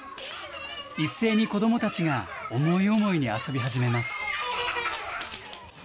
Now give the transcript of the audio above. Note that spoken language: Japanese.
一斉に子どもたちが思い思いに遊び始めます。